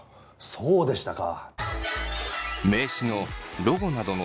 そうでしたか。